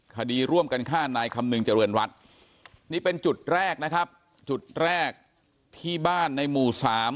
คดีร่วมกันฆ่านายคำนึงเจริญรัฐนี่เป็นจุดแรกนะครับจุดแรกที่บ้านในหมู่สาม